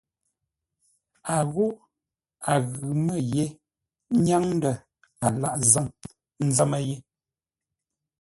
A ghô a ghʉ́ mə́ ye nyáŋ ndə̂ a lâghʼ zâŋ ńzə́mə́ yé.